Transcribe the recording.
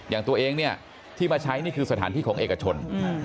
อย่างตัวเองเนี่ยที่มาใช้นี่คือสถานที่ของเอกชน